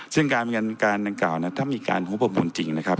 ซึ่งดำเนินการเก่านั้นถ้ามีการหูประมูลจริงนะครับ